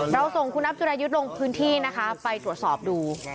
เราส่งคุณทำจุดายุทธิ์ลงที่นะคะไปตรวจสอบดู